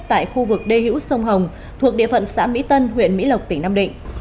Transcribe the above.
tại khu vực đê hữu sông hồng thuộc địa phận xã mỹ tân huyện mỹ lộc tỉnh nam định